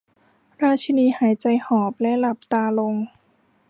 ราชีนีหายใจหอบและหลับตาลง